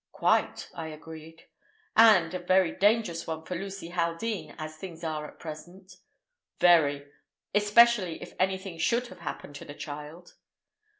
"Quite," I agreed, "and a very dangerous one for Lucy Haldean, as things are at present." "Very; especially if anything should have happened to the child."